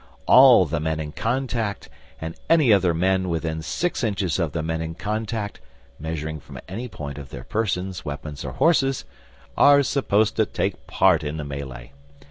All the men in contact, and any other men within six inches of the men in contact, measuring from any point of their persons, weapons, or horses, are supposed to take part in the melee.